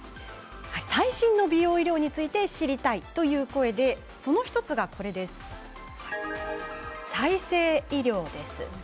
最新の美容医療について知りたいという声で、その１つが再生医療です。